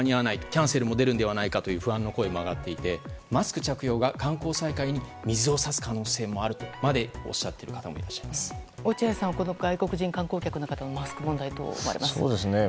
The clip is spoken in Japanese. キャンセルが相次ぐのではないかと不安の声も上がっていてマスク着用が観光再開に水を差す可能性もあるとまでおっしゃっている方も落合さんは外国人観光客のマスク問題をどう思われますか？